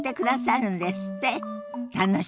楽しみね。